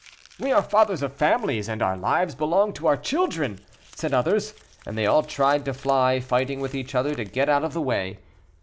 "We are fathers of families, and our lives belong to our children," said others, and they all tried to fly, fighting with each other to get out of the way.